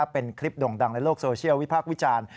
เป็นคลิปด่งดังในโลกโซเชียลวิพากษ์วิจารณ์